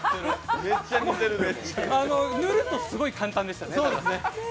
塗るとすごい簡単でしたね。